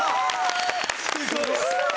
すごい！